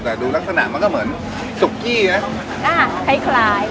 แต่ดูลักษณะมันก็เหมือนซุกกี้นะอ่าคล้ายคล้าย